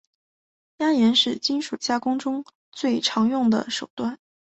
压延是金属加工中最常用的手段。